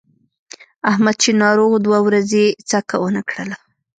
احمد چې ناروغ و دوه ورځې یې څکه ونه کړله.